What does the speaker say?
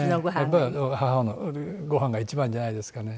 やっぱり母のごはんが一番じゃないですかね。